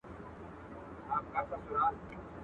ډیري به واورو له منبره ستا د حورو کیسې.